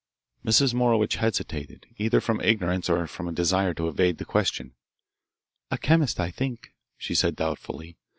Mrs. Morowitch hesitated, either from ignorance or from a desire to evade the question. "A chemist, I think," she said doubtfully.